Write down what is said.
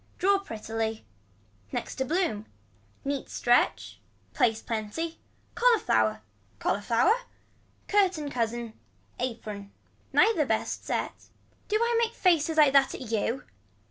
Draw prettily. Next to a bloom. Neat stretch. Place plenty. Cauliflower. Cauliflower. Curtain cousin. Apron. Neither best set. Do I make faces like that at you.